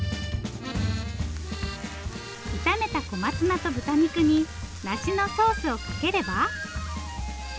炒めた小松菜と豚肉に梨のソースをかければ。